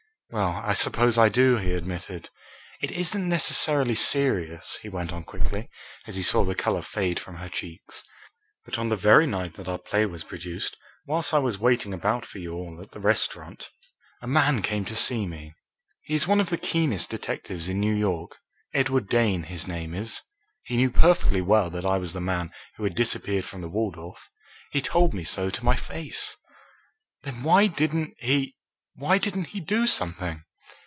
"Well, I suppose I do," he admitted. "It isn't necessarily serious," he went on quickly, as he saw the colour fade from her cheeks, "but on the very night that our play was produced, whilst I was waiting about for you all at the restaurant, a man came to see me. He is one of the keenest detectives in New York Edward Dane his name is. He knew perfectly well that I was the man who had disappeared from the Waldorf. He told me so to my face." "Then why didn't he why didn't he do something?"